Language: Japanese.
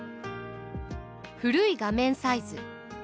古い画面サイズ。